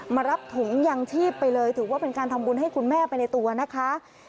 มารับถุงยังชีพไปเลยถือว่าเป็นการทำบุญให้คุณแม่ไปในตัวนะคะ